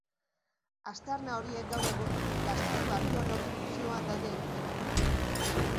Aztarna horiek gaur egun Gasteizko Arkeologi Museoan daude ikusgai.